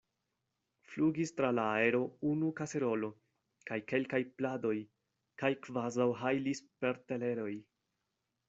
Flugis tra la aero unu kaserolo, kaj kelkaj pladoj, kaj kvazaŭ hajlis per teleroj.